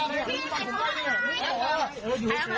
มันไม่ได้มีความผิดอะไรครับ